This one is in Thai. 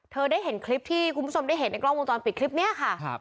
ได้เห็นคลิปที่คุณผู้ชมได้เห็นในกล้องวงจรปิดคลิปนี้ค่ะ